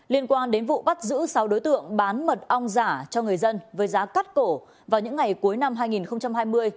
liên quan đến vụ bắt giữ sáu đối tượng bán mật ong giả cho người dân với giá cắt cổ vào những ngày cuối năm hai nghìn hai mươi